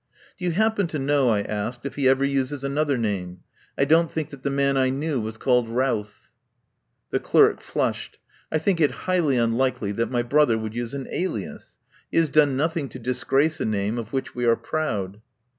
"Do you happen to know," I asked, "if he ever uses another name? I don't think that the man I knew was called Routh." The clerk flushed. "I think it highly un likely that my brother would use an alias. He has done nothing to disgrace a name of which we are proud."